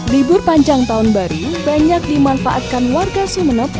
libur panjang tahun baru banyak dimanfaatkan warga sumeneb